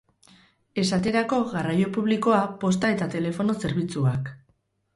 Esaterako garraio publikoa, posta eta telefono zerbitzuak.